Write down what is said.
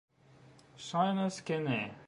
Ŝajnas ke ne.